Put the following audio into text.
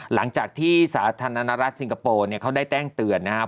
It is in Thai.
หลังจากที่สาธารณรัฐสิงคโปร์เนี่ยเขาได้แจ้งเตือนนะครับ